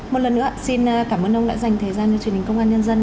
một lần nữa xin cảm ơn ông đã dành thời gian cho truyền hình công an nhân dân